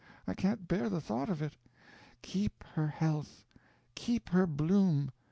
I can't bear the thought of it. Keep her health. Keep her bloom!